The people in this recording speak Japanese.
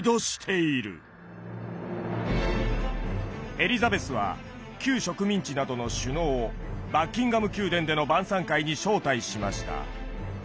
エリザベスは旧植民地などの首脳をバッキンガム宮殿での晩餐会に招待しました。